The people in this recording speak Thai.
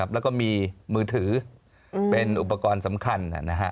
แล้วก็มีมือถือเป็นอุปกรณ์สำคัญ